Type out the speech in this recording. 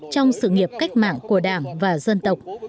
và nghiệp cách mạng của đảng và dân tộc